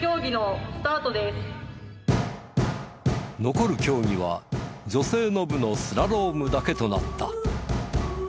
残る競技は女性の部のスラロームだけとなった。